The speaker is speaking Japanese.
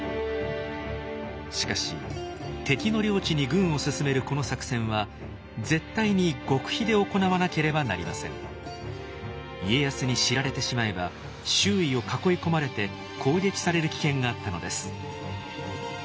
しかし敵の領地に軍を進めるこの作戦は家康に知られてしまえば周囲を囲い込まれて攻撃される危険があったのです。